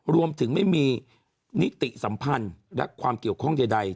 รวมถึงไม่มีนิติสัมพันธ์และความเกี่ยวข้องใด